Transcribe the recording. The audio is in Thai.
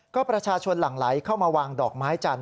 ก็ประชาชนหลั่งไหลเข้ามาวางดอกไม้จันท